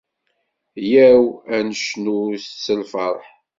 Yyaw, ad necnut s lferḥ.